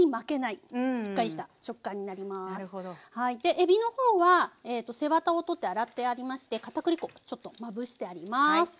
えびのほうは背ワタをとって洗ってありましてかたくり粉ちょっとまぶしてあります。